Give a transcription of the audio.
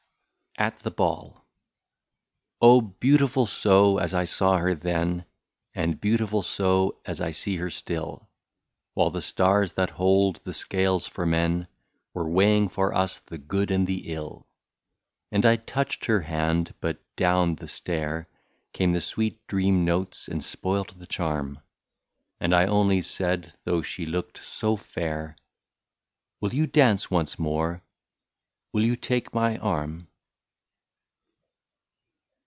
169 AT THE BALL. Oh ! beautiful so — as I saw her then, And beautiful so, as I see her still, While the stars, that hold the scales for men, Were weighing for us the good and the ill. And I touched her hand — but down the stair Came the sweet dream notes, and broke the charm, And I only said, though she looked so fair :" Will you dance once more ; will you take my — arm